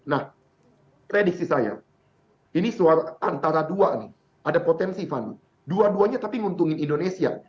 nah prediksi saya ini suara antara dua nih ada potensi fani dua duanya tapi nguntungin indonesia